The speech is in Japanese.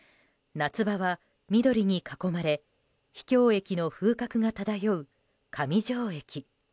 夏場は緑に囲まれ秘境駅の風格が漂う上条駅。